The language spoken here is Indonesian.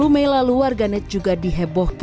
sepuluh mei lalu arganet juga diheboh